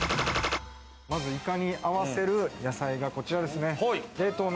まずイカに合わせる野菜がこちらですね。